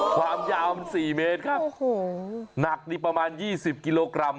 ความยาวมัน๔เมตรครับหนักประมาณ๒๐กิโลกรัม